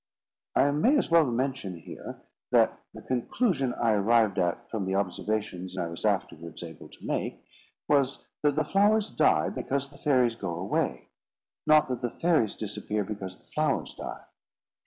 I may as well mention here, that the conclusion I arrived at from the observations I was afterwards able to make, was, that the flowers die because the fairies go away; not that the fairies disappear because the flowers die.